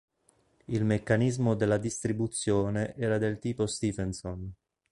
Il meccanismo della distribuzione era del tipo Stephenson.